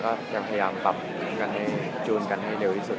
พยายามกล้ามทีสินทรัพย์กันให้เร็วสุด